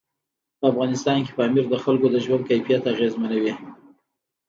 په افغانستان کې پامیر د خلکو د ژوند کیفیت اغېزمنوي.